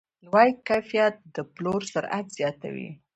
لوړ کیفیت د پلور سرعت زیاتوي.